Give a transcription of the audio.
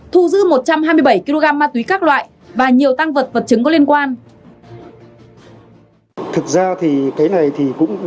thu giữ một trăm hai mươi bảy kg ma túy các loại và nhiều tăng vật vật chứng có liên quan